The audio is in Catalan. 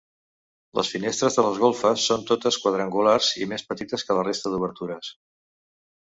Les finestres de les golfes són totes quadrangulars i més petites que la resta d'obertures.